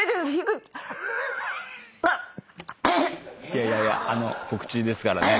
いやいやいや告知ですからね。